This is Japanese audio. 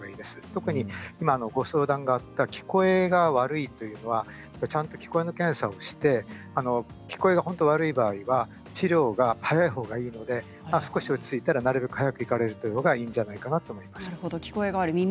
特に今のご相談にあった聞こえが悪いというのは聞こえの検査をして本当に悪い場合は治療は早い方がいいので少し落ち着いたらなるべく早く行かれる方がいいと思います。